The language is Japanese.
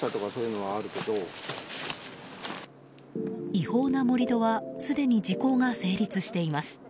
違法な盛り土はすでに時効が成立しています。